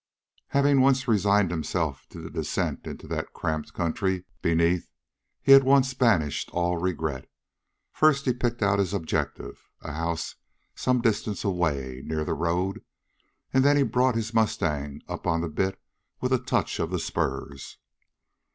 Having once resigned himself to the descent into that cramped country beneath he at once banished all regret. First he picked out his objective, a house some distance away, near the road, and then he brought his mustang up on the bit with a touch of the spurs.